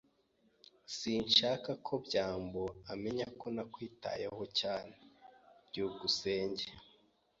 Sinshaka ko byambo amenya ko namwitayeho cyane. byukusenge